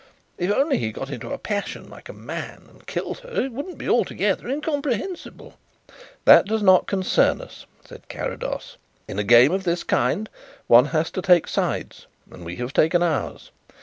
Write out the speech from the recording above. If only he got into a passion like a man and killed her it wouldn't be altogether incomprehensible." "That does not concern us," said Carrados. "In a game of this kind one has to take sides and we have taken ours.